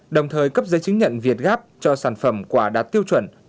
đồng thời cấp giấy chứng nhận việt gáp cho sản phẩm quả đạt tiêu chuẩn